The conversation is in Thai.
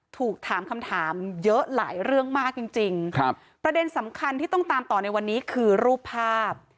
ถูกถามคำถามเยอะหลายเรื่องมากจริงจริงครับประเด็นสำคัญที่ต้องตามต่อในวันนี้คือรูปภาพ